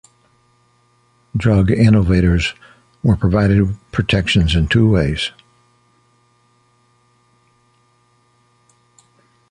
Drug innovators were provided protections in two ways.